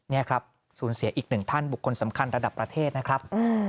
นี่ครับสูญเสียอีกหนึ่งท่านบุคคลสำคัญระดับประเทศนะครับ